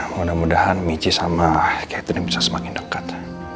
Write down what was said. mudah mudahan michi sama katin bisa semakin dekat